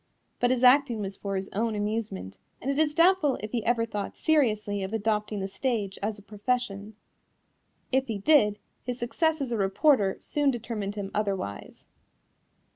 But his acting was for his own amusement, and it is doubtful if he ever thought seriously of adopting the stage as a profession. If he did, his success as a reporter soon determined him otherwise.